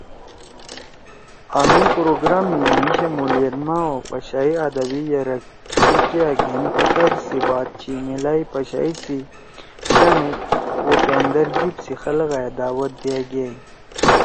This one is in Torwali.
آں مے پروگرام می مھی شمولیت مھأ او پشائی آدبی یرک سی کیا گھین فخر سی بات چھی میلائی پشائی سی شانے اے اوپیِاندر جیِب سی خلَگا ئے دعوت دیِا گأئی۔